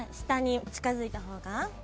下に近づいた方が。